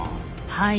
はい。